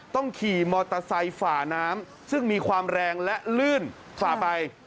ต้องขี่มอเตอร์ไซค์ฝ่าน้ำซึ่งมีความแรงและลื่นฝ่าไป